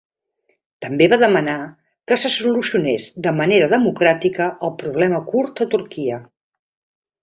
També va demanar que se solucionés de manera democràtica el problema kurd a Turquia.